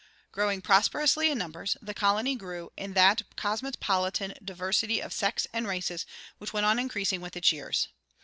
Growing prosperously in numbers, the colony grew in that cosmopolitan diversity of sects and races which went on increasing with its years.